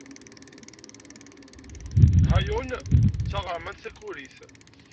Ha-yoon d taɣermant takurit.